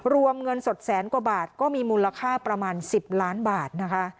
รวมเงินสดแสนกว่าบาทก็มีมูลค่าประมาณ๑๐ล้านบาทนะคะ